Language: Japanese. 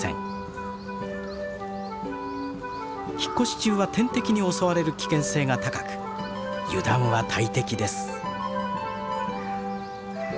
引っ越し中は天敵に襲われる危険性が高く油断は大敵です。